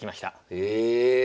え。